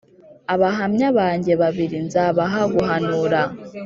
Abahamya banjye babiri nzabaha guhanura,